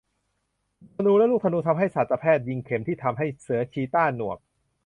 ธนูและลูกธนูทำให้สัตวแพทย์ยิงเข็มที่ทำให้เสือชีต้าหนวก